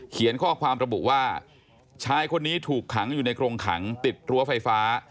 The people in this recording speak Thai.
ข้อความระบุว่าชายคนนี้ถูกขังอยู่ในกรงขังติดรั้วไฟฟ้า